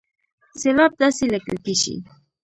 سېلاب داسې ليکل کېږي